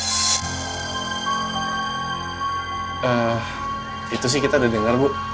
itu sih kita udah dengar bu